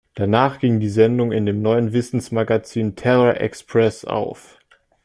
Danach ging die Sendung in dem neuen Wissensmagazin „Terra Xpress“ auf.